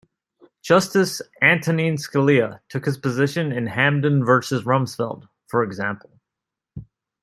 Justice Antonin Scalia took this position in "Hamdan versus Rumsfeld", for example.